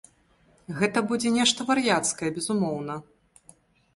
Гэта будзе нешта вар'яцкае, безумоўна.